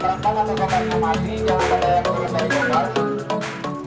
jadi jangan lupa ya untuk berjaga jaga